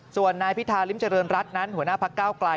ส่วนนายพิธาริมเจริญรัฐนั้นหัวหน้าพักเก้าไกล